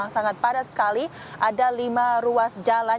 sangat padat sekali ada lima ruas jalan